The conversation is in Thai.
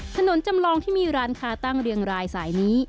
จำลองที่มีร้านค้าตั้งเรียงรายสายนี้